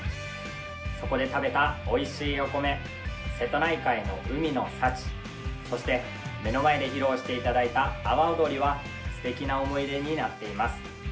そこで食べたおいしいお米瀬戸内海の海の幸、そして目の前で披露していただいた阿波踊りはすてきな思い出になっています。